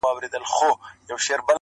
سپین اغوستي لکه بطه غوندي ښکلی٫